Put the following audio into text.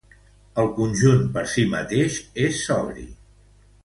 El conjunt per si mateix és sobri.